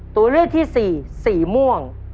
ตัวเลือกที่สี่สีม่วง